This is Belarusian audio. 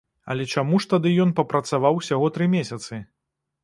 Але чаму ж тады ён папрацаваў ўсяго тры месяцы?